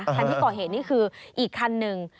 คันที่ก่อเหตุนี่คืออีกคันหนึ่ง